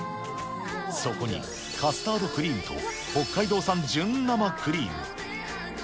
そこにカスタードクリームと北海道産純生クリーム。